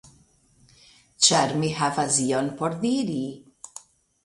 Ĉar mi havas ion por diri.